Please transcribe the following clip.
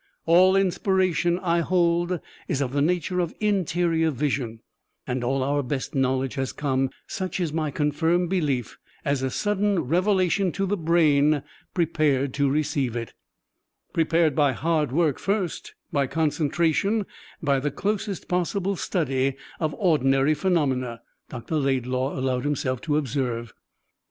All inspiration, I hold, is of the nature of interior Vision, and all our best knowledge has come such is my confirmed belief as a sudden revelation to the brain prepared to receive it " "Prepared by hard work first, by concentration, by the closest possible study of ordinary phenomena," Dr. Laidlaw allowed himself to observe.